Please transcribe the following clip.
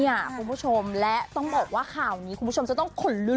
คุณผู้ชมและต้องบอกว่าข่าวนี้คุณผู้ชมจะต้องขนลุ้น